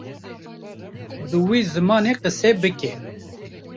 bi wê zimanê qise bike